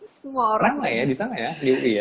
semua orang lah ya disana ya di ui ya